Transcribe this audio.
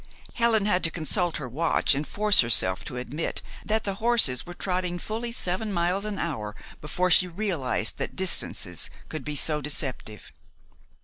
Helen had to consult her watch and force herself to admit that the horses were trotting fully seven miles an hour before she realized that distances could be so deceptive.